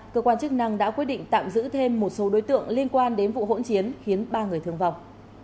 cơ quan chức năng đã quyết định tạm giữ thêm một số đối tượng liên quan đến vụ hỗn chiến khiến ba người thương vọng